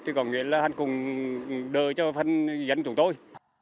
thì có nghĩa là hãy cùng đợi cho phân dân của chúng tôi